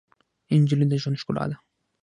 نجلۍ د ژوند ښکلا ده.